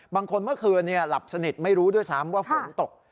เมื่อคืนหลับสนิทไม่รู้ด้วยซ้ำว่าฝนตก